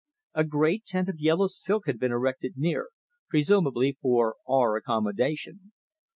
A great tent of yellow silk had been erected near, presumably for our accommodation.